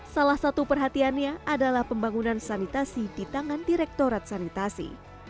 salah satu perhatiannya adalah pembangunan sanitasi di tangan direktorat sanitasi